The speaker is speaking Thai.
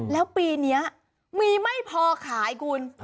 แล้วปีนี้มีไม่พอขายคุณ